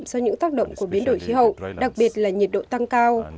do những tác động của biến đổi khí hậu đặc biệt là nhiệt độ tăng cao